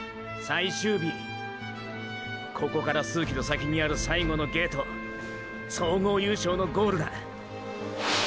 ここから数ｋｍ先にある最後のゲート総合優勝のゴールだ！！